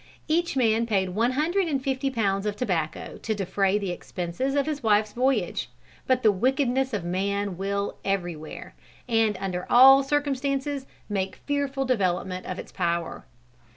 Each man paid one hundred and fifty pounds of tobacco to defray the expenses of his wife's voyage. But the wickedness of man will everywhere, and under all circumstances, make fearful development of its power.